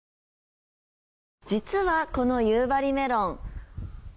実は、この夕張メロン。